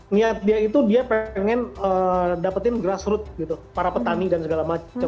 niat dia itu dia pengen dapetin grassroot gitu para petani dan segala macam